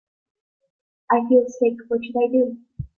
I feel sick, what should I do?